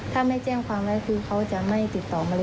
ถ้าไม่แจ้งความแล้วคือเขาจะไม่ติดต่อมาเลย